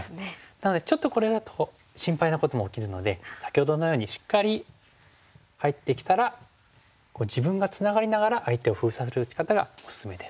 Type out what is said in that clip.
なのでちょっとこれだと心配なことも起きるので先ほどのようにしっかり入ってきたら自分がツナがりながら相手を封鎖する打ち方がおすすめです。